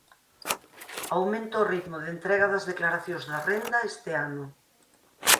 Aumenta o ritmo de entrega das declaracións da renda este ano